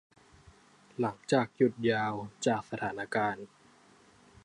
หลังจากหยุดยาว จากสถานการณ์